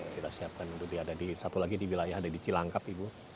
kita siapkan untuk diadadi satu lagi di wilayah ada di cilangkap ibu